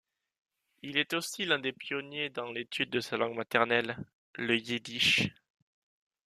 Il est aussi l'un des pionniers dans l'étude de sa langue maternelle, le yiddish.